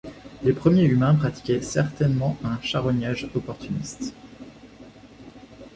Les premiers humains pratiquaient certainement un charognage opportuniste.